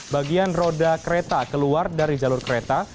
bagian roda kereta keluar dari jalur kereta